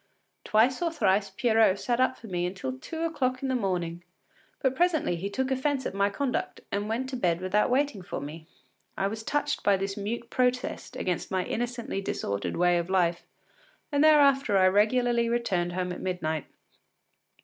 Twice or thrice Pierrot sat up for me until two o’clock in the morning, but presently he took offence at my conduct and went to bed without waiting for me. I was touched by this mute protest against my innocently disorderly way of life, and thereafter I regularly returned home at midnight.